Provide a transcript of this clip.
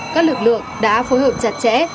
các lực lượng đã phối hợp chặt chẽ